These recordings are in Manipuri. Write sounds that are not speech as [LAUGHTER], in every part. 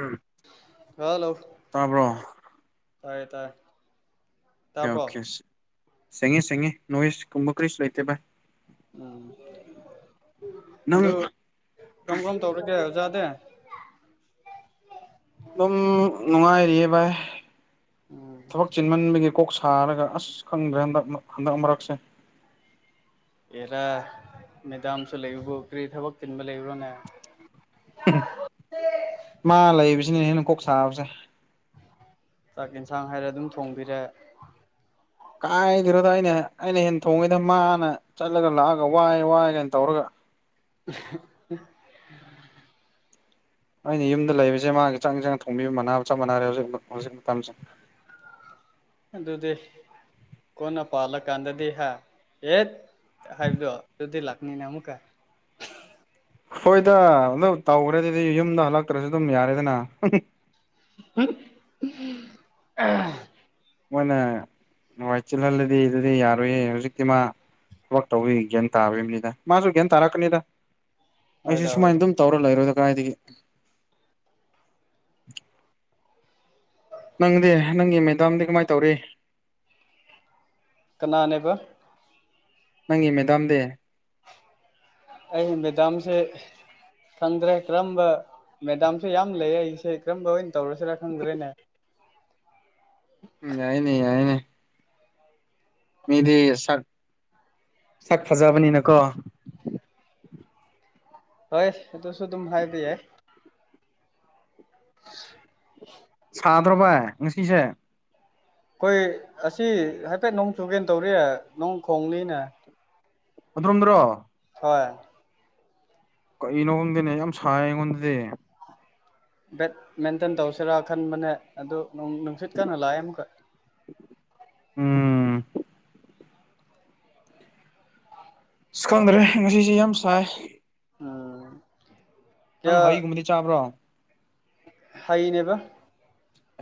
ꯎꯝ ꯍ ꯍꯂꯣ ꯇꯥꯕ꯭ꯔꯣ ꯑꯣꯀꯦ ꯇꯥꯏ ꯇꯥꯏ ꯑꯣꯀꯦ ꯑꯣꯀꯦ ꯁꯦꯡꯉꯦ ꯁꯦꯡꯉꯦ ꯅꯣꯏꯁꯀꯨꯝꯕ ꯀꯔꯤꯁꯨ ꯂꯩꯇꯦ ꯕꯥꯏ ꯎꯝ ꯅꯪ ꯑꯗꯨ ꯀꯔꯝ ꯀꯔꯝ ꯇꯧꯔꯒꯦ ꯑꯣꯖꯥꯗ ꯑꯗꯨꯝ ꯅꯨꯡꯉꯥꯏꯔꯤꯌꯦ ꯚꯥꯏ ꯊꯕꯛ ꯆꯤꯟꯃꯟꯕꯒꯤ ꯀꯣꯛ ꯁ ꯁꯥꯔꯒ ꯑꯁ ꯈꯪꯗ꯭ꯔꯦ ꯍꯟꯗꯛ ꯍꯟꯗꯛ ꯃꯔꯛꯁꯦ ꯑꯦꯔꯥ ꯃꯦꯗꯥꯝꯁꯨ ꯂꯩꯕ꯭ꯔꯣ ꯀꯔꯤ ꯊꯕꯛ ꯇꯤꯟꯕ ꯂꯩꯕ꯭ꯔꯣꯅꯦ ꯃꯥ ꯂꯩꯕꯁꯤꯅꯅꯦ ꯍꯦꯟꯅ ꯀꯣꯛ ꯁꯥꯕꯁꯦ ꯆꯥꯛ ꯌꯦꯟꯁꯥꯡ ꯍꯥꯏꯔꯦ ꯑꯗꯨꯝ ꯊꯣꯡꯕꯤꯔꯦ ꯀꯥꯏꯗꯔꯣꯗ ꯑꯅꯦ ꯑꯩꯅ ꯍꯦꯟ ꯊꯣꯡꯉꯩꯗ ꯃꯥꯅ ꯆꯠꯂꯒ ꯂꯥꯛꯑꯒ ꯋꯥꯏ ꯋꯥꯏ ꯀꯥꯏꯅ ꯇꯧꯔꯒ ꯑ ꯑꯩꯅ ꯌꯨꯝꯗ ꯂꯩꯕꯁꯦ ꯃꯥꯒꯤ ꯆꯪ ꯆꯪꯅ ꯊꯣꯡꯕꯤꯕ ꯃꯥꯟꯅꯕ ꯆꯞ ꯃꯥꯟꯅꯔꯦ ꯍꯧꯖꯤꯛ ꯍꯧꯖꯤꯛ ꯃꯇꯝꯁꯦ ꯑꯗꯨꯗꯤ ꯀꯣꯟꯅ ꯄꯥꯜꯂꯀꯥꯟꯗꯗꯤ ꯍꯥ ꯑꯦꯠ ꯍꯥꯏꯕꯗꯣ ꯑꯗꯨꯗꯤ ꯂꯥꯛꯅꯤꯅꯦ ꯑꯃꯨꯛꯀꯥꯏ ꯍꯣꯏꯗ ꯑꯗꯨ ꯇꯧꯈ꯭ꯔꯦꯗꯤꯗꯤ ꯌꯨꯝꯗ ꯍꯜꯂꯛꯇ꯭ꯔꯁꯨ ꯑꯗꯨꯝ ꯌꯥꯔꯦꯗꯅ ꯎ ꯃꯣꯏꯅ ꯋꯥꯏ ꯆꯤꯜꯍꯜꯂꯗꯤ ꯑꯗꯨꯗꯤ ꯌꯥꯔꯣꯏꯌꯦ ꯍꯧꯖꯤꯛꯇꯤ ꯃꯥ ꯋꯥꯛ ꯇꯧꯕꯤ ꯒ꯭ꯌꯥꯟ ꯇꯥꯕꯝꯅꯤꯗ ꯃꯥꯁꯨ ꯒ꯭ꯌꯥꯟ ꯇꯥꯔꯛꯀꯅꯤꯗ ꯑꯩꯁꯦ ꯍꯣꯏꯗ ꯍꯣꯏꯗ ꯁꯨꯃꯥꯏꯅ ꯑꯗꯨꯝ ꯇꯧꯔ ꯂꯩꯔꯣꯏꯗ ꯀꯗꯥꯥꯏꯗꯒꯤ ꯅꯪꯗꯤ ꯅꯪꯒꯤ ꯃꯦꯗꯥꯝꯗꯤ ꯀꯃꯥꯏꯅ ꯇꯧꯔꯤ ꯀꯅꯥꯅꯦꯕ ꯅꯪꯒꯤ ꯃꯦꯗꯥꯝꯗꯤ ꯑꯩꯒꯤ ꯃꯦꯗꯥꯝꯁꯦ ꯈꯪꯗ꯭ꯔꯦ ꯀꯔꯝꯕ ꯃꯦꯗꯥꯝꯁꯨꯦ ꯌꯥꯝ ꯂꯩ ꯑꯩꯁꯦ ꯀꯔꯝꯕ ꯑꯣꯏꯅ ꯇꯧꯔꯁꯤꯔꯥ ꯈꯪꯗ꯭ꯔꯦꯅꯦ ꯎ ꯌꯥꯏꯅꯦ ꯌꯥꯏꯅꯦ ꯃꯤꯗꯤ ꯁꯛ ꯁꯛ ꯐꯖꯕꯅꯤꯅꯀꯣ ꯍꯣꯏ ꯁꯤꯁꯨ ꯑꯗꯨꯝ ꯍꯥꯏꯗꯤ ꯌꯥꯏ ꯑ ꯁꯥꯗ꯭ꯔꯣ ꯚꯥꯏ ꯉꯁꯤꯁꯦ ꯑꯩꯈꯣꯏ ꯑꯁꯤ ꯍꯥꯏꯐꯦꯠ ꯅꯣꯡ ꯆꯨꯒꯦ ꯇꯧꯔꯤ ꯅꯣꯡ ꯈꯣꯡꯅꯤꯅꯦ ꯑꯗꯨꯠꯇꯣꯝꯗ꯭ꯔꯣ ꯍꯣꯏ ꯀꯩꯅꯣ ꯈꯣꯗꯤꯅꯦ ꯌꯥꯝ ꯁꯥꯏ ꯑꯩꯉꯣꯟꯗꯗꯤ ꯕꯦꯠ ꯃꯦꯟꯇꯦꯟ ꯇꯧꯁꯤꯔꯥ ꯈꯟꯕꯅꯦ ꯑꯗꯨ ꯅꯨꯡꯁꯤꯠ ꯀꯟꯅ ꯂꯥꯛꯑꯦ ꯑꯃꯨꯛꯈꯛ ꯎꯝ ꯁ ꯈꯪꯗ꯭ꯔꯦ ꯉꯁꯤꯁꯦ ꯌꯥꯝ ꯁꯥꯏ ꯑ ꯅꯪ ꯍꯩꯒꯨꯝꯕꯗꯤ ꯆꯥꯕ꯭ꯔꯣ ꯍꯥꯏꯅꯦꯕ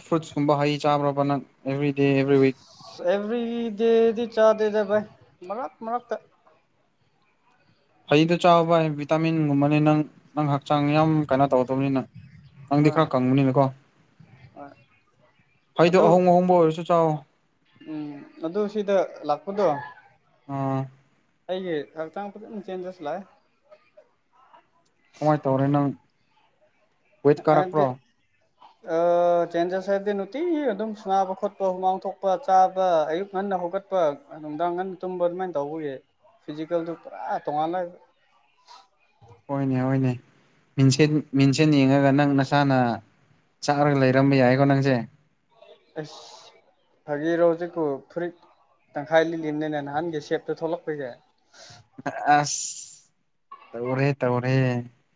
ꯐ꯭ꯔꯨꯏꯠꯁꯀꯨꯝꯕ ꯍꯩ ꯆꯥꯕ꯭ꯔꯕ ꯅꯪ ꯑꯦꯕ꯭ꯔꯤꯗꯦ ꯑꯦꯕ꯭ꯔꯤ ꯋꯤꯛ ꯑꯦꯕ꯭ꯔꯤ ꯗꯦꯗꯤ ꯆꯥ ꯗꯦꯗ ꯚꯥꯏ ꯃꯔꯛꯇ ꯃꯔꯛꯇ ꯐꯩꯗꯣ ꯆꯥꯎꯕ ꯍꯥꯏ ꯚꯤꯇꯥꯃꯤꯟꯒꯨꯝꯕꯅꯤ ꯅꯪ ꯅꯪ ꯍꯛꯆꯥꯡ ꯌꯥꯝ ꯀꯥꯏꯩꯅꯣ ꯇꯧꯒꯗꯕꯅꯤꯅ ꯅꯪꯗꯤ ꯈꯔ ꯈꯪꯕꯅꯤꯅꯀꯣ ꯑ ꯐꯩꯗꯣ ꯑꯍꯣꯡ ꯑꯍꯣꯡꯕ ꯑꯣꯏꯔꯁꯨ ꯆꯥꯎꯋꯣ ꯎꯝ ꯑꯗꯨ ꯁꯤꯗ ꯂꯥꯛꯄꯗꯣ ꯑꯣ ꯑꯩꯒꯤ ꯍꯛꯆꯥꯡ ꯐꯖꯅ ꯆꯦꯟꯖꯦꯁ ꯂꯥꯛꯑꯦ ꯀꯃꯥꯏꯅ ꯇꯧꯔꯦ ꯅꯪ ꯋꯦꯠ ꯑꯗꯤ ꯀꯥꯔꯛꯄ꯭ꯔꯣ ꯑ ꯆꯦꯟꯖꯦꯁ ꯍꯥꯏꯕꯗꯤ ꯅꯨꯡꯇꯤ ꯑꯗꯨꯝ ꯁꯨꯕ ꯈꯣꯠꯄ ꯍꯨꯃꯥꯡ ꯊꯣꯛꯄ ꯆꯥꯕ ꯑꯌꯨꯛ ꯉꯟꯅ ꯍꯧꯒꯠꯄ ꯅꯨꯡꯗꯥꯡꯒꯟ ꯇꯨꯝꯕ ꯑꯗꯨꯃꯥꯏꯅ ꯇꯧꯕꯒꯤ ꯐꯤꯖꯤꯀꯦꯜꯗꯨ ꯄꯨꯔꯥ ꯇꯣꯉꯥꯟꯂꯑ ꯍꯣꯏꯅꯦ ꯍꯣꯏꯅꯦ ꯁꯤꯆꯦ ꯌꯦꯡꯉꯒ ꯅꯪ ꯅꯁꯥꯅ ꯆꯥꯛꯔꯒ ꯂꯩꯔꯝꯕ ꯌꯥꯏꯀꯣ ꯅꯪꯁꯦ ꯑꯦꯁ ꯐꯒꯤꯔꯣꯖꯤꯦꯀꯣ ꯐꯔꯤ ꯇꯪꯈꯥꯏ ꯂꯤꯜꯂꯤꯅꯦꯅꯦ ꯅꯍꯥꯟꯒꯤ ꯁꯦꯞꯇꯣ ꯊꯣꯛꯂꯛꯄꯩꯁꯦ ꯑꯁ ꯇꯧꯔꯦ ꯇꯧꯔꯦ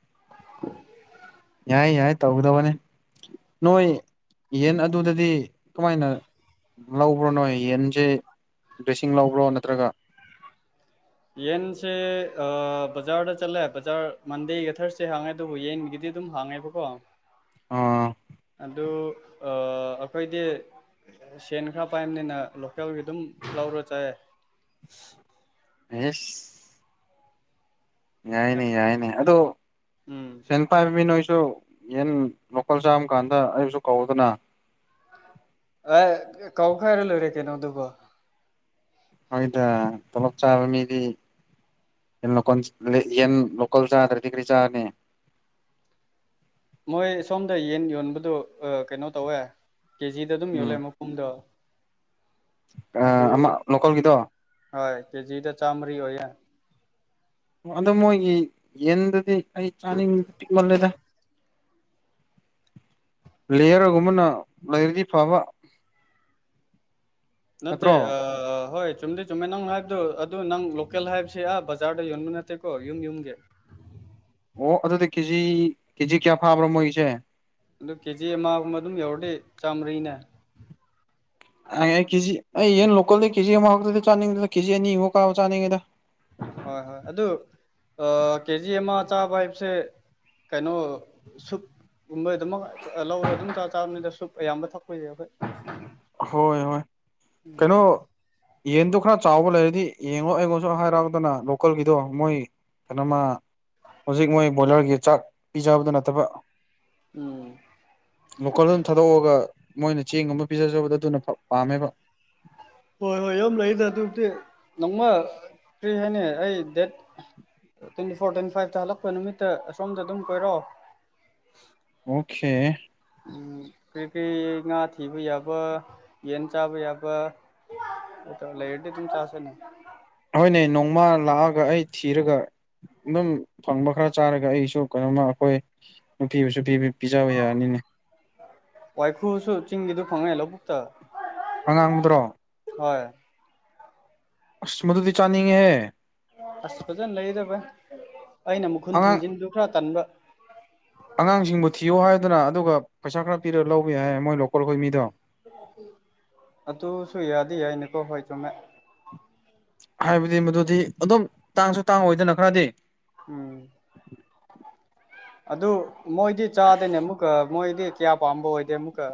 [INAUDIBLE] ꯌꯥꯏ ꯌꯥꯏ ꯇꯧꯒꯗꯕꯅꯤ ꯅꯣꯏ ꯌꯦꯟ ꯑꯗꯨꯗꯗꯤ ꯀꯃꯥꯏꯅ ꯂꯧꯕ꯭ꯔꯣ ꯅꯣꯏ ꯌꯦꯟꯁꯦ ꯗ꯭ꯔꯦꯁꯤꯡ ꯂꯧꯕ꯭ꯔꯣ ꯅꯠꯇ꯭ꯔꯒ ꯌꯦꯟꯁꯦ ꯕꯖꯥꯔꯗ ꯆꯠꯂꯦ ꯕꯖꯥꯔ ꯃꯟꯗꯦꯒ ꯊꯥꯔꯁꯗꯦ ꯍꯥꯡꯉꯦ ꯑꯗꯨꯕꯨ ꯌꯦꯟꯒꯤꯗꯤ ꯑꯗꯨꯝ ꯍꯥꯡꯉꯦꯕꯀꯣ ꯑ ꯑꯗꯨ ꯑꯩꯈꯣꯏꯗꯤ ꯁꯦꯟ ꯈꯔ ꯄꯥꯏꯕꯅꯤꯅ ꯂꯣꯀꯦꯜꯒꯤ ꯑꯗꯨꯝ ꯂꯧꯔ ꯆꯥꯏ ꯑꯦꯁ ꯌꯥꯏꯅꯦ ꯌꯥꯏꯅꯦ ꯑꯗꯣ ꯎꯝ ꯄꯥꯏꯕ ꯃꯤ ꯅꯣꯏꯁꯨ ꯌꯦꯟ ꯂꯣꯀꯜ ꯆꯥꯝꯃ ꯀꯥꯟꯗ ꯑꯩꯁꯨ ꯀꯧꯗꯅ ꯑꯦ ꯀꯧ ꯈꯔ ꯂꯣꯏꯔꯦ ꯀꯩꯅꯣꯗꯨꯕꯣ ꯑꯩꯣꯏꯗ ꯄꯨꯂꯞ ꯆꯥꯕ ꯃꯤꯗꯤ ꯌꯦꯟ ꯂꯣꯀ ꯌꯦꯟ ꯂꯣꯀꯜ ꯆꯥꯗ꯭ꯔꯗꯤ ꯀꯔꯤ ꯆꯥꯔꯅꯤ ꯃꯣꯏ ꯁꯣꯝꯗ ꯌꯦꯟ ꯌꯣꯟꯕꯗ ꯀꯩꯅꯣ ꯇꯧꯋꯦ ꯀꯦꯖꯤꯗ ꯑꯗꯨꯝ ꯎꯝ ꯌꯣꯜꯂꯦ ꯑꯃꯨꯛ ꯄꯨꯡꯗꯣ ꯑꯗꯨ ꯑꯃ ꯂꯣꯀꯦꯜꯒꯤꯗꯣ ꯍꯣꯏ ꯀꯖꯤꯗ ꯆꯝꯔꯤ ꯑꯣꯏ ꯌꯥ ꯑꯣ ꯑꯗꯣ ꯃꯣꯏꯒꯤ ꯌꯦꯟꯗꯨꯗꯤ ꯑꯩ ꯆꯥꯅꯤꯡꯕꯗ ꯄꯤꯛꯃꯜꯂꯦꯗ ꯂꯦꯌꯔꯒꯨꯝꯕꯅ ꯂꯩꯔꯗꯤ ꯐꯕ ꯅꯠꯇ꯭ꯔꯣ ꯅꯠꯇꯦ ꯑ ꯍꯣꯏ ꯆꯨꯝꯗꯤ ꯆꯨꯝꯃꯦ ꯅꯪ ꯍꯥꯏꯕꯗꯣ ꯑꯗꯨ ꯅꯪ ꯂꯣꯀꯦꯜ ꯍꯥꯏꯕꯁꯤ ꯑꯥ ꯕꯖꯥꯔꯗ ꯌꯣꯟꯕ ꯅꯠꯇꯦꯀꯣ ꯌꯨꯝ ꯌꯨꯝꯒꯤ ꯑꯣ ꯑꯗꯨꯗꯤ ꯀꯦꯖꯤ ꯀꯦꯖꯤ ꯀꯌꯥ ꯐꯥꯕ꯭ꯔꯣ ꯃꯣꯏꯒꯤꯁꯦ ꯑꯗꯨ ꯀꯦꯖꯤ ꯑꯃꯒꯨꯝꯕ ꯑꯗꯨꯝ ꯌꯧꯔꯗꯤ ꯆꯥꯝꯃꯔꯤꯅꯦ ꯍ ꯀꯦꯖꯤ ꯑꯩ ꯌꯦꯟ ꯂꯣꯀꯦꯜꯗ ꯀꯦꯖꯤ ꯑꯃꯈꯛꯇꯗꯤ ꯆꯥꯅꯤꯡꯗꯅ ꯀꯦꯖꯤ ꯑꯅꯤꯃꯨꯛ ꯀꯥꯕ ꯆꯥꯅꯤꯡꯉꯦꯗ ꯍꯣꯏ ꯍꯣꯏ ꯑꯗꯨ ꯀꯦꯖꯤ ꯑꯃ ꯆꯥꯕ ꯍꯥꯏꯕꯁꯦ ꯀꯩꯅꯣ ꯁꯨꯞ꯫ ꯀꯩꯨꯝꯕꯩ ꯗꯨꯃꯛ ꯂꯧꯔ ꯑꯗꯨꯝ ꯆꯥ ꯆꯥꯕꯅꯤꯗ ꯁꯨꯛ ꯑꯌꯥꯝꯕ ꯊꯛꯄꯁ ꯌꯥꯗꯦ꯫ ꯍꯣꯏ ꯍꯣꯏ ꯀꯩꯅꯣ꯫ ꯌꯦꯟꯗꯣ ꯈꯔ ꯆꯥꯎꯕ ꯂꯩꯔꯗꯤ ꯌꯦꯡꯉꯣ ꯑꯩꯉꯣꯟꯁꯨ ꯍꯥꯏꯔꯛꯑꯣꯗꯅ ꯂꯣꯀꯦꯜꯒꯤꯗꯣ ꯃꯣꯏ ꯀꯩꯅꯣꯃ ꯍꯧꯖꯤꯛ ꯃꯣꯏ ꯕꯣꯏꯂꯔꯒꯤ ꯆꯥꯛ ꯄꯤꯖꯕꯗꯨ ꯅꯠꯇꯕ꯫ ꯎꯝ꯫ ꯂꯣꯀꯜ ꯗ ꯑꯗꯨꯝ ꯊꯥꯗꯣꯛꯑꯒ ꯃꯣꯏꯅ ꯆꯦꯡ ꯑꯃ ꯄꯤꯖꯖꯕꯗꯣ ꯑꯗꯨꯅ ꯄꯥ ꯄꯥꯝꯃꯦꯕ꯫ ꯍꯣꯏ ꯍꯣꯏ ꯌꯥꯝ ꯂꯩꯌꯦꯗ ꯑꯗꯨꯗꯤ ꯅꯣꯡꯃ ꯀꯔꯤ ꯍꯥꯏꯅꯤ ꯑꯩ ꯗꯦꯠ ꯇ꯭ꯋꯦꯟꯇꯤꯐꯣꯔ ꯇ꯭ꯋꯦꯟ ꯐꯥꯏꯚꯇ ꯍꯜꯂꯛꯄ ꯅꯨꯃꯤꯠꯇ ꯑꯁꯣꯝꯗ ꯑꯗꯨꯝ ꯀꯣꯏꯔꯛꯑꯣ꯫ ꯑꯣꯈꯦ꯫ ꯀ꯭ꯔꯤ ꯀ꯭ꯔꯤ ꯉꯥ ꯊꯤꯕ ꯌꯥꯕ ꯌꯦꯟ ꯆꯥꯕ ꯌꯥꯕ꯫ ꯇ ꯂꯩꯌꯦꯗꯤ ꯑꯗꯨꯝ ꯆꯥꯁꯦꯅꯦ꯫ ꯍꯣꯏꯅꯦ ꯅꯣꯡꯃ ꯂꯥꯛꯑꯒ ꯑꯩ ꯊꯤꯔꯒ ꯑꯗꯨꯝ ꯐꯪꯕ ꯈꯔ ꯆꯥꯔꯒ ꯑꯩꯁꯨ ꯀꯩꯅꯣꯝꯃ ꯑꯈꯣꯏ ꯅꯨꯄꯤꯕꯨꯁꯨ ꯄꯤꯕ ꯄꯤꯖꯕ ꯌꯥꯅꯤꯅꯦ꯫ ꯋꯥꯏꯈꯨ꯭ꯔꯁꯨ ꯆꯤꯡꯒꯤꯗꯨ ꯐꯪꯉꯦ ꯂꯕꯨꯛꯇ ꯑꯉꯥꯡꯕꯗ꯭ꯔꯣ꯫ ꯍꯣꯏ꯫ ꯑꯁ ꯃꯗꯨꯗꯤ ꯆꯥꯟꯅꯤꯡꯉꯦꯍꯦ꯫ ꯑꯁ ꯐꯖꯟ ꯂꯩꯌꯦꯗ ꯚꯥꯢ ꯑꯩꯅ ꯃꯈꯨꯟ ꯑꯉꯥꯡ ꯊꯤꯡꯖꯤꯟꯗꯨ ꯈꯔ ꯇꯟꯕ꯫ ꯑꯉꯥꯡꯁꯤꯡꯕꯨ ꯊꯤꯌꯣ ꯍꯥꯏꯌꯨꯗꯅ ꯑꯗꯨꯒ ꯄꯩꯁꯥ ꯈꯔ ꯄꯤꯔꯒ ꯂꯧꯕ ꯌꯥꯏ ꯃꯣꯏ ꯂꯣꯀꯜꯈꯣꯏ ꯃꯤꯗꯣ꯫ ꯑꯗꯨꯁꯨ ꯌꯥꯗꯤ ꯌꯥꯏꯅꯦꯀꯣ ꯍꯣꯏ ꯆꯨꯝꯃꯦ꯫ ꯍꯥꯏꯕꯗꯤ ꯃꯗꯨꯗꯤ ꯑꯗꯨꯝ ꯇꯥꯡꯁꯨ ꯇꯥꯡꯑꯣꯏꯗꯅ ꯈꯔꯗꯤ꯫ ꯎꯝ ꯑꯗꯨ ꯃꯣꯏꯗꯤ ꯆꯥꯗꯦꯅꯦ ꯑꯃꯨꯛꯀ ꯃꯣꯏꯗꯤ꯫ ꯀꯌꯥ ꯄꯥꯝꯕ ꯑꯣꯏꯗꯦ ꯑꯃꯨꯀꯥ꯫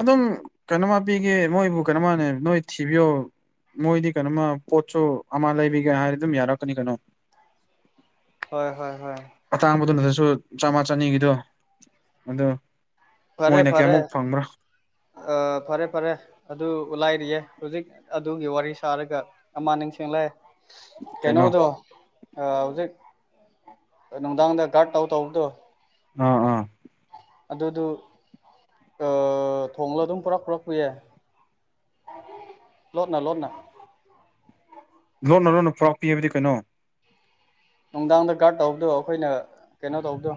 ꯑꯗꯨꯝ ꯀꯩꯅꯣꯃ ꯄꯤꯒꯦ ꯃꯣꯏꯕꯨ ꯀꯩꯅꯣꯃꯅꯦ ꯅꯣꯏ ꯊꯤꯕꯤꯌꯣ꯫ ꯃꯣꯏꯗꯤ ꯀꯩꯅꯣꯃ ꯄꯣꯠꯁꯨ ꯑꯃ ꯂꯩꯕꯤꯒꯦ ꯍꯥꯏꯔ ꯑꯗꯨꯝ ꯌꯥꯔꯛꯀꯅꯤ ꯀꯩꯅꯣ꯫ ꯍꯣꯏ ꯍꯣꯏ ꯍꯣꯏ꯫ ꯑꯇꯥꯡꯕꯗꯨ ꯗꯁꯨ ꯆꯥꯝꯃ ꯆꯅꯤꯒꯤꯗꯨ ꯑꯗꯨ꯫ ꯐꯔꯦ ꯃꯣꯏꯅ ꯐꯔꯦ ꯀꯌꯥꯃꯨꯛ ꯐꯪꯕ꯭ꯔꯥ ꯑ ꯐꯔꯦ ꯐꯔꯦ꯫ ꯑꯗꯨ ꯂꯥꯏꯔꯤꯌꯦ ꯍꯨꯖꯤꯛ ꯑꯗꯨꯒꯤ ꯋꯥꯔꯤ ꯁꯥꯔꯒ ꯑꯃ ꯅꯤꯡꯁꯤꯡꯂꯑꯦ꯫ ꯀꯩꯅꯣ ꯀꯦꯅꯣꯗꯣ꯫ ꯍꯧꯖꯤꯛ ꯅꯨꯡꯗꯥꯡꯗ ꯒꯥꯔꯗ ꯇꯧ ꯇꯧꯕꯗꯣ꯫ ꯑꯥ ꯑꯥ꯫ ꯑꯗꯨꯗꯨ ꯑꯥ ꯊꯣꯡꯂ ꯑꯗꯨꯝ ꯄꯨꯔꯛ ꯄꯨꯔꯛꯄ ꯌꯥꯢ꯫ ꯂꯣꯠꯅ ꯂꯣꯟꯅ꯫ ꯂꯣꯟꯅ ꯂꯣꯟꯅ ꯄꯨꯔꯥꯛꯄꯤ ꯑꯕꯗꯤ ꯀꯩꯅꯣ꯫ ꯅꯨꯡꯗꯥꯡꯗ ꯒꯥꯔꯗ ꯇꯧꯕꯗꯨ ꯑꯈꯣꯏꯅ ꯀꯩꯅꯣ ꯇꯧꯕꯗꯣ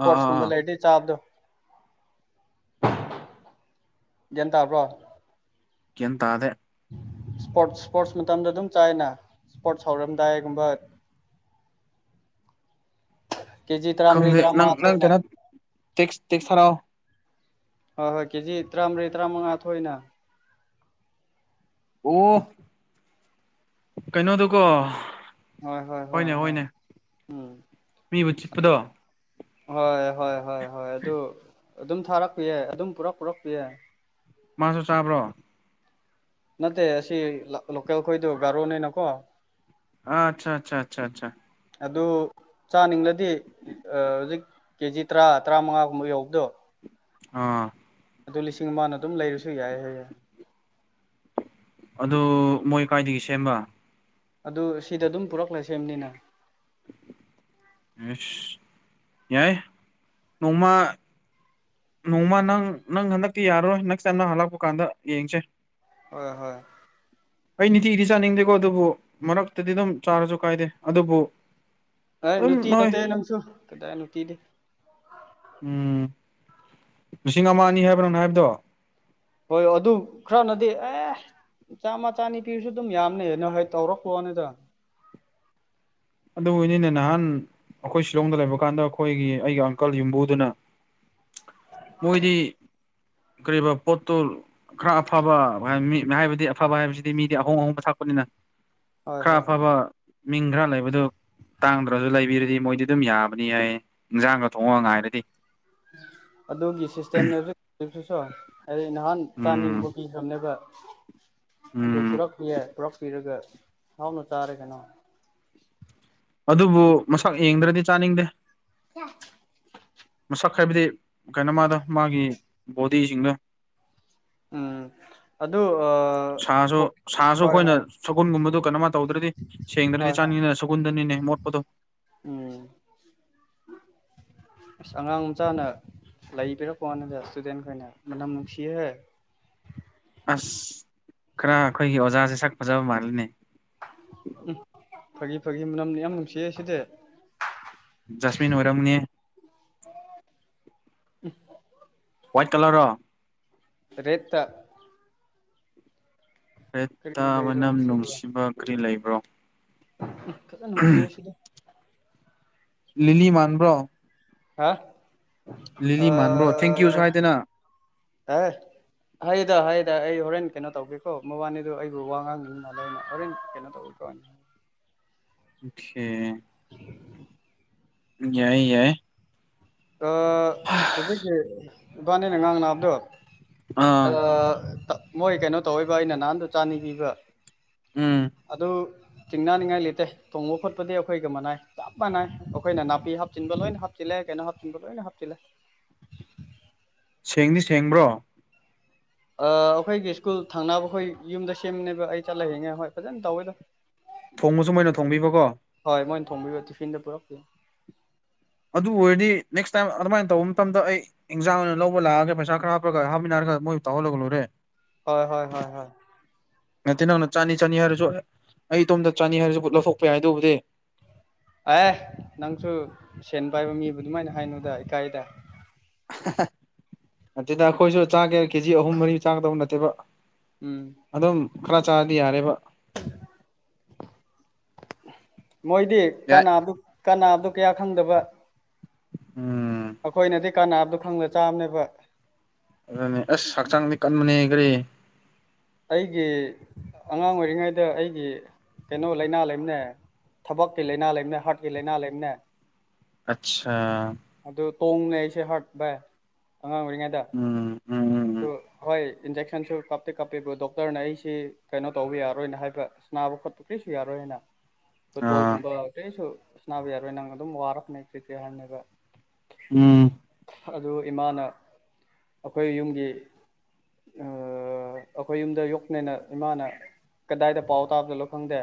ꯑꯥ ꯑꯥ ꯀꯨꯝꯕ ꯑꯥ ꯂꯩꯔꯗꯤ ꯆꯥꯕꯗꯣ꯫ ꯒ꯭ꯌꯥꯟ ꯇꯥꯕ꯭ꯔꯣ꯫ ꯀꯩꯝ ꯇꯥꯗꯦ꯫ ꯏꯁꯄꯣꯔꯠꯁ ꯏꯁꯄꯣꯔꯠꯁ ꯃꯇꯝꯗ ꯑꯗꯨꯝ ꯆꯥꯏꯅ ꯏꯁꯄꯣꯔꯠꯁ ꯍꯧꯔꯝꯗꯥꯏꯒꯨꯝꯕ꯫ ꯀꯦꯖꯤ ꯇꯔꯥꯃꯔꯤ ꯈꯪꯗꯦ ꯅꯪ ꯇꯔꯥꯃꯉꯥ ꯅꯪ ꯊꯣꯏꯅ ꯀꯩꯅ ꯇꯦꯛꯁ ꯇꯦꯛꯁ ꯊꯔꯥꯑꯣ꯫ ꯍꯣꯏ ꯍꯣꯏ ꯀꯦꯖꯤ ꯇꯔꯥꯃꯔꯤ ꯇꯔꯥꯃꯉꯥ ꯊꯣꯛꯏꯅ꯫ ꯑꯨꯝ ꯀꯩꯅꯣꯗꯨꯀꯣ꯫ ꯍꯣꯏ ꯍꯣꯏ ꯍꯣꯏ ꯍꯣꯏꯅꯦ ꯍꯣꯏ ꯍꯣꯏꯅꯦ ꯎꯝ ꯃꯤꯕꯨ ꯑ ꯆꯤꯠꯄꯗꯣ ꯍꯣꯏ ꯍꯣꯏ ꯍꯣꯏ ꯍꯣꯏ ꯑꯗꯨ ꯑꯗꯨꯝ ꯊꯥꯔꯛꯄꯤ ꯌꯥꯏ ꯑꯗꯨꯝ ꯄꯨꯔꯛ ꯄꯨꯔꯛꯄꯤ ꯌꯦ꯫ ꯃꯥꯁꯨ ꯆꯥꯕ꯭ꯔꯣ꯫ ꯅꯠꯇꯦ ꯑꯁꯤ ꯂ ꯂꯣꯀꯦꯜ ꯈꯣꯏꯗꯨ ꯒꯥꯔꯣꯅꯤꯅꯀꯣ꯫ ꯑꯆꯥ ꯑꯆꯥꯆꯥ ꯑꯆꯥꯆꯥ꯫ ꯑꯗꯨ ꯆꯥꯅꯤꯡꯂꯗꯤ ꯍꯧꯖꯤꯛ꯫ ꯀꯦꯖꯤ ꯇꯔꯥ ꯇꯔꯥꯃꯉꯥꯒꯨꯝꯕ ꯌꯧꯕꯗꯣ꯫ ꯑꯥ ꯑꯗꯨ ꯂꯤꯁꯤꯡ ꯑꯃꯅ ꯑꯗꯨꯝ ꯂꯩꯔꯁꯨ ꯌꯥꯏꯌꯦ ꯍꯥꯏ ꯌꯥꯏ ꯑꯗꯨ ꯃꯣꯏ ꯀꯥꯏꯗꯒꯤ ꯁꯦꯝꯕ ꯑꯗꯨ ꯁꯤꯗ ꯑꯗꯨꯝ ꯄꯨꯔꯛꯂ ꯁꯦꯝꯅꯤꯅ ꯌꯥꯏ ꯅꯣꯡꯃ ꯅꯣꯡꯃ ꯅꯪ ꯅꯪ ꯍꯟꯗꯛꯇꯤ ꯌꯥꯔꯣꯏ ꯅꯦꯛꯁ ꯇꯥꯏꯝ ꯅ ꯍꯜꯂꯛꯄ ꯀꯥꯟꯗ ꯌꯦꯡꯁꯦ ꯍꯣꯏ ꯍꯣꯏ ꯑꯩ ꯅꯤꯇꯤꯗꯤ ꯆꯥꯅꯤꯡꯗꯦꯀꯣ ꯑꯗꯨꯕꯨ ꯃꯔꯛꯇꯗꯤ ꯑꯗꯨꯝ ꯆꯥꯔꯁꯨ ꯀꯥꯏꯗꯦ ꯑꯗꯨꯕꯨ ꯍꯣꯏ ꯑꯗꯨꯝ ꯅꯨꯡꯇꯤ ꯍꯣꯏ ꯅꯠꯇꯦ ꯅꯪꯁꯨ ꯀꯗꯥꯏ ꯅꯨꯡꯇꯤꯗꯤ ꯎꯝ ꯂꯤꯁꯤꯡ ꯑꯃ ꯑꯅꯤ ꯍꯥꯏꯕꯅꯣ ꯍꯥꯏꯕꯗꯣ ꯍꯣꯏ ꯑꯗꯨ ꯈꯔꯅꯗꯤ ꯑꯦ ꯆꯥꯝꯃꯆꯥ ꯅꯤꯄꯤꯁꯨ ꯑꯗꯨꯝ ꯌꯥꯝꯅ ꯑ ꯅꯣ ꯍꯣꯏ ꯇꯧꯔꯛꯂꯣꯅꯤꯗ ꯑꯗꯨ ꯑꯣꯏꯅꯤꯅ ꯅꯍꯥꯟ ꯑꯩꯈꯣꯏ ꯁꯤꯂꯣꯡꯗ ꯂꯩꯕ ꯀꯥꯟꯗ ꯑꯩꯈꯣꯏꯒꯤ ꯑꯩꯒꯤ ꯑꯪꯀꯜ ꯌꯨꯝꯕꯨꯗꯨꯅ ꯃꯣꯏꯗꯤ ꯀꯔꯤꯔꯤꯕ ꯄꯣꯠꯇꯨ ꯈꯔ ꯑꯐꯕ ꯃꯤ ꯍꯥꯏꯕꯗꯤ ꯑꯐꯕ ꯍꯥꯏꯕꯁꯤꯗꯤ ꯃꯤꯗꯤ ꯑꯍꯣꯡ ꯑꯍꯣꯡꯕ ꯊꯥꯛꯄꯅꯤꯅ ꯍꯣꯏ ꯍꯣꯏ ꯈꯥꯐꯕ ꯃꯤꯡꯒ꯭ꯔꯥ ꯂꯩꯕ ꯑꯗꯨ ꯇꯥꯡꯗ꯭ꯔꯁꯨ ꯂꯩꯕꯤꯔꯗꯤ ꯃꯣꯏꯗꯤ ꯑꯗꯨꯝ ꯌꯥꯕꯅꯤ ꯑꯩ ꯏꯟꯖꯥꯡꯒ ꯊꯣꯡꯒ ꯉꯥꯏꯔꯗꯤ ꯑꯗꯨꯒꯤ ꯁꯤꯁꯇꯦꯝ ꯂꯩ ꯑꯩ ꯅꯍꯥꯟ ꯆꯥꯅꯤꯒꯨꯝꯕ ꯎꯝ ꯄꯤꯈ꯭ꯔꯕꯅꯦꯕ ꯑꯗꯨ ꯎꯝ ꯄꯨꯔꯛꯄ ꯌꯥꯏ ꯄꯨꯔꯛꯄꯤꯔ ꯒ ꯍꯥꯎꯅ ꯆꯥꯔꯦ ꯀꯩꯅꯣ ꯑꯗꯨꯕꯨ ꯃꯁꯛ ꯌꯦꯡꯗ꯭ꯔꯗꯤ ꯆꯥꯅꯤꯡꯗꯦ [UNINTELLIGIBLE] ꯃꯁꯛ ꯍꯥꯏꯕꯗꯤ ꯀꯩꯅꯣ ꯃꯥꯗ ꯃꯥꯒꯤ ꯕꯣꯗꯤꯁꯤꯡꯗ ꯎꯝ ꯑꯗꯨ ꯍꯣꯏ ꯍꯣꯏ ꯁꯒꯨꯜꯒꯨꯝꯕꯗꯣ ꯀꯩꯅꯝꯃ ꯇꯧꯗ꯭ꯔꯗꯤ ꯍꯣꯏ ꯁꯦꯡꯗ꯭ꯔꯗꯤ ꯍꯣꯏ ꯆꯥꯅꯤꯡꯗꯅ ꯁꯒꯨꯟꯗꯅꯤꯅꯦ ꯃꯣꯠꯄꯗꯣ ꯎꯝ ꯑꯁ ꯑꯉꯥꯡ ꯃꯆꯥꯅ ꯂꯩꯕꯤꯔꯛꯄꯣ ꯅꯗ ꯏꯁꯇꯨꯗꯦꯟꯈꯅ ꯃꯅꯝ ꯅꯨꯡꯁꯤꯍꯦ ꯑꯁ ꯈꯔ ꯑꯩꯈꯣꯏꯒꯤ ꯑꯣꯖꯥꯁꯦ ꯁꯛ ꯐꯖꯕ ꯃꯥꯜꯂꯅꯦ ꯎꯝ ꯐꯥꯒꯤ ꯐꯥꯒꯤ ꯃꯅꯝꯅꯤ ꯌꯥꯝ ꯅꯨꯡꯁꯤꯌꯦ ꯁꯤꯗꯤ ꯖꯁꯃꯤꯟ ꯑꯣꯏꯔꯝꯅꯤ ꯋꯥ꯭ꯋꯥꯠ ꯀꯂꯔꯣ ꯔꯦꯠꯇ ꯔꯦꯇꯥ ꯀꯔꯤ ꯂꯩꯔꯣ ꯃꯅꯝ ꯁꯤꯕꯣ ꯅꯨꯡꯁꯤꯕ ꯀꯔꯤ ꯂꯩꯕ꯭ꯔꯣ ꯐꯖꯅ ꯅꯨꯡꯁꯤꯌ ꯁꯤꯗ ꯂꯤꯂꯤ ꯃꯥꯟꯕ꯭ꯔꯣ ꯍꯥ ꯂꯤꯂꯤ ꯃꯥꯟꯕ꯭ꯔꯣ ꯊꯦꯡꯀ꯭ꯌꯨ ꯑꯥ ꯁꯨ ꯍꯥꯏꯗꯅ ꯑꯦ ꯍꯥꯏꯗ ꯍꯥꯏꯨꯗ ꯑꯩ ꯍꯣꯔꯦꯟ ꯀꯩꯅꯣ ꯇꯧꯒꯦꯀꯣ ꯃꯕꯥꯅꯤꯗ ꯑꯩꯕꯨ ꯋꯥ ꯉꯥꯡꯅꯤꯡ ꯂꯩꯏꯅꯣꯔꯣꯏ ꯀꯩꯅꯣꯛꯣ ꯑꯣꯀꯦ [UNINTELLIGIBLE] ꯌꯥꯏ ꯌꯥꯏ ꯍꯧꯖꯤꯛꯀꯤ ꯏꯕꯥꯅꯤ ꯅꯉ ꯑꯪꯅ ꯑꯕꯗꯣ ꯑꯥ ꯃꯣꯏ ꯀꯩꯅꯣ ꯇꯧꯋꯕ ꯑꯩꯅ ꯅꯍꯥꯟꯗ ꯆꯥꯅꯤ ꯄꯤꯕ ꯎꯝ ꯑꯗꯨ ꯇꯤꯡꯅꯅꯤꯡꯉꯥꯏ ꯂꯩꯇꯦ ꯊꯣꯡꯕ ꯈꯣꯠꯄꯗꯤ ꯑꯩꯈꯣꯏꯒ ꯃꯅꯥꯏ ꯆꯞ ꯃꯥꯟꯅꯏ ꯑꯩꯈꯣꯏꯅ ꯅꯥꯄꯤ ꯍꯥꯞꯆꯤꯟꯕ ꯂꯣꯏꯅ ꯍꯥꯞꯆꯤꯜꯂꯦ ꯀꯩꯅꯣ ꯍꯥꯞ ꯀꯕꯂꯦꯅ ꯍꯥꯞꯆꯤꯜꯂꯦ ꯁꯦꯡꯗꯤ ꯁꯦꯡꯕ꯭ꯔꯣ ꯑꯩꯈꯣꯏꯒꯤ ꯁ꯭ꯀꯨꯜ ꯊꯪꯅꯕꯈꯣꯏ ꯌꯨꯝꯗ ꯁꯦꯝꯕꯅꯦꯕ ꯑꯩ ꯆꯠꯂ ꯍꯉꯦ ꯍꯣꯏ ꯐꯖꯅ ꯇꯧꯋꯦꯗꯣ ꯊꯣꯡꯕꯁꯨ ꯃꯣꯏꯅ ꯊꯣꯡꯕꯤꯕꯀꯣ ꯍꯣꯏ ꯃꯣꯏꯅ ꯊꯣꯡꯕꯤꯕ ꯇꯤꯐꯤꯟꯗ ꯄꯨꯔꯛ ꯑꯗꯨ ꯑꯣꯏꯔꯗꯤ ꯅꯦꯛꯁ ꯇꯥꯏꯝ ꯑꯗꯨꯃꯥꯏꯅ ꯇꯧꯕ ꯃꯇꯝꯗ ꯑꯩ ꯏꯟꯖꯥꯡ ꯑꯣꯏꯅ ꯂꯥꯛꯑꯒ ꯄꯩꯁꯥ ꯈꯔ ꯍꯥꯞꯄꯒ ꯍꯥꯞꯃꯤꯟꯅꯔꯒ ꯃꯣꯏꯁꯨ ꯇꯧꯍꯜꯂꯒ ꯂꯣꯏꯔꯦ ꯍꯣꯏ ꯍꯣꯏ ꯍꯣꯏ ꯍꯣꯏ ꯉꯇꯤ ꯅꯪꯅ ꯆꯅꯤ ꯆꯅꯤ ꯍꯥꯏꯔꯁꯨ ꯑꯩ ꯏꯇꯣꯝꯇ ꯆꯥꯅꯤ ꯍꯥꯏꯔꯁꯨ ꯂꯧꯊꯣꯛꯄ ꯌꯥꯏ ꯑꯗꯨꯕꯨꯗꯤ ꯑꯦ ꯅꯪꯁꯨ ꯁꯦꯟ ꯄꯥꯏꯕ ꯃꯤꯕꯨ ꯑꯗꯨꯃꯥꯏꯅ ꯍꯥꯏꯅꯨꯗ ꯏꯀꯥꯏꯗ ꯅꯠꯇꯦꯗ ꯑꯩꯈꯣꯏꯁꯨ ꯆꯥꯒꯦ ꯀꯦꯖꯤ ꯑꯍꯨꯝ ꯃꯔꯤ ꯆꯥꯒꯗꯕ ꯅꯠꯇꯦꯕ ꯎꯝ ꯑꯗꯨꯝ ꯈꯔ ꯆꯥꯔꯗꯤ ꯌꯥꯔꯦꯕ ꯃꯣꯏꯗꯤ ꯌꯥꯏ ꯀꯅꯥꯗꯨ ꯀꯅꯥꯗꯨ ꯀꯌꯥ ꯈꯪꯗꯕ ꯎꯝ ꯑꯩꯈꯣꯏꯅꯗꯤ ꯀꯥꯟꯅꯕꯗꯣ ꯈꯪꯗ ꯆꯥꯝꯅꯦꯕ ꯑꯗꯨꯅꯦ ꯑꯁ ꯍꯛꯆꯥꯡꯗꯤ ꯀꯟꯕꯅꯦ ꯀꯔꯤ ꯑꯩꯒꯤ ꯑꯉꯥꯡ ꯑꯣꯏꯔꯤꯉꯩꯗ ꯑꯩꯒꯤ ꯀꯩꯅꯣ ꯂꯥꯏꯅꯥ ꯂꯩꯕꯅꯦ ꯊꯕꯛꯀꯤ ꯂꯥꯏꯅꯥ ꯂꯩꯕꯅ ꯍꯥꯔꯠꯀꯤ ꯂꯥꯏꯅꯥ ꯂꯩꯕꯅ ꯑꯆꯥ ꯑꯗꯨ ꯇꯣꯡꯅ ꯑꯩꯁꯦ ꯍꯥꯔꯠ ꯚꯥꯏ ꯑꯉꯥꯡ ꯑꯣꯏꯔꯤꯉꯩꯗ ꯎꯝ ꯎꯝ ꯍꯣꯏ ꯏꯟꯖꯦꯛꯁꯟꯁꯨ ꯀꯞꯇꯦ ꯀꯥꯞꯄꯦꯕꯨ ꯗꯣꯛꯇꯔꯅ ꯑꯩꯁꯤ ꯀꯩꯅꯣ ꯇꯧꯕ ꯌꯥꯔꯣꯏꯅ ꯍꯥꯏꯕ ꯅꯥꯕ ꯈꯣꯠꯄ ꯀꯔꯤꯁꯨ ꯌꯥꯔꯣꯏꯅ [UNINTELLIGIBLE] ꯎꯝ ꯎꯝ ꯑꯥ ꯐꯨꯠꯕꯣꯜꯒꯨꯝꯕ ꯀꯩꯁꯨ ꯁꯥꯟꯅꯕ ꯌꯥꯔꯣꯏ ꯅꯪ ꯑꯗꯨꯝ ꯋꯥꯔꯛꯅꯦ [UNINTELLIGIBLE] ꯎꯝ ꯑꯗꯨ ꯏꯃꯥꯅ ꯑꯩꯈꯣꯏ ꯌꯨꯝꯒꯤ ꯑꯥ ꯑꯩꯈꯣꯏ ꯌꯨꯝꯗ ꯌꯣꯛꯄꯅꯦꯅ ꯏꯃꯥꯅ ꯀꯗꯥꯏꯗ ꯄꯥꯎ ꯇꯥꯞ ꯆꯂꯣ ꯈꯪꯗꯦ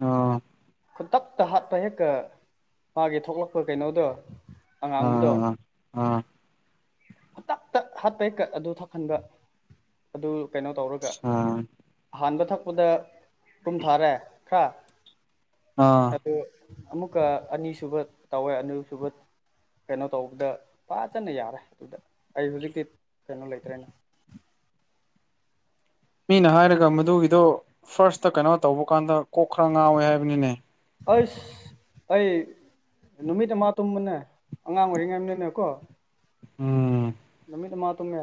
ꯑꯣ ꯈꯨꯟꯇꯛꯇ ꯍꯥꯠꯄ ꯍꯦꯛꯀ ꯃꯥꯒꯤ ꯊꯣꯛꯂꯛꯄ ꯀꯩꯅꯣꯗꯣ ꯑ ꯑꯉꯥꯡꯕꯗꯣ ꯑꯥ ꯈꯨꯗꯛꯇ ꯍꯥꯠꯄ ꯍꯦꯛꯇ ꯑꯗꯨ ꯊꯛꯍꯟꯕ ꯑꯗꯨ ꯀꯩꯅꯣ ꯇꯧꯔꯒ ꯑꯥ ꯑꯍꯥꯟꯕ ꯊꯛꯄꯗ ꯀꯨꯝ ꯊꯥꯔꯦ ꯍꯥ ꯑꯥ ꯑꯗꯨ ꯑꯃꯨꯛꯀ ꯑꯅꯤꯁꯨꯕ ꯇꯧꯋꯦ ꯑꯅꯤꯁꯨꯕ ꯀꯩꯅꯣ ꯇꯧꯕꯗ ꯐꯥꯖꯅ ꯌꯥꯔꯦ ꯑꯗꯨꯗ ꯑꯩ ꯍꯧꯖꯤꯛꯇꯤ ꯀꯩꯅꯣ ꯂꯩꯇ꯭ꯔꯦꯅ ꯃꯤꯅ ꯍꯥꯏꯔꯒ ꯃꯗꯨꯒꯤꯗꯣ ꯐꯥꯔꯁꯇ ꯀꯩꯅꯣ ꯇꯧꯕ ꯀꯥꯟꯗ ꯀꯣꯛ ꯈꯔ ꯉꯥꯎꯋꯦ ꯍꯥꯏꯕꯅꯤꯅꯦ ꯑꯁ ꯑꯩ ꯅꯨꯃꯤꯠ ꯑꯃ ꯇꯨꯝꯕꯅꯦ ꯑꯉꯥꯡ ꯑꯣꯏꯔꯤꯉꯩꯅꯦꯅ ꯀꯣ ꯎꯝ ꯅꯨꯃꯤꯠ ꯑꯃꯥ ꯇꯨꯝꯃꯦ